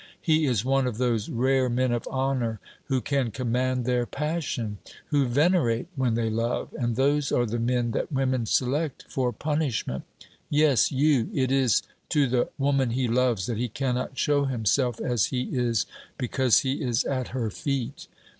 He is one of those rare men of honour who can command their passion; who venerate when they love: and those are the men that women select for punishment! Yes, you! It is to the woman he loves that he cannot show himself as he is, because he is at her feet.